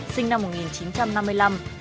sinh năm một nghìn chín trăm năm mươi năm